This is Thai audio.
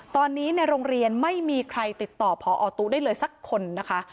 ตอนนี้ในโรงเรียนไม่มีใครติดต่อพอตู้ได้เลยสักคนนะคะ